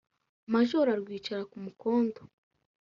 Majoro arwicara ku mukondo,